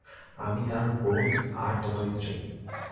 আমি তার বোন আর তোমার স্ত্রী।